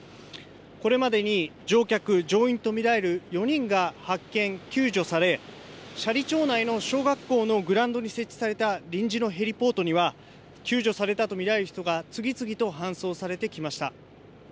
これまでに乗客乗員と見られる４人が発見、救助され斜里町内の小学校のグラウンドに設置された臨時のヘリポートには救助されたと見られる人が次々と搬送されてきました。